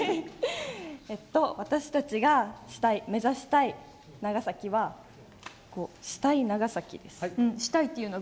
私たちが目指したい長崎は「したい長崎」です。